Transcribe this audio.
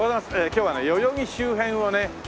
今日はね代々木周辺をね